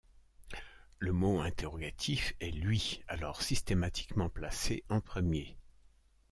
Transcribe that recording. Le mot interrogatif est lui alors systématiquement placé en premier.